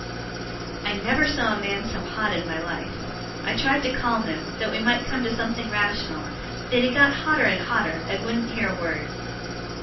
I never saw a man so hot in my life. I tried to calm him, that we might come to something rational; but he got hotter and hotter, and wouldn't hear a word.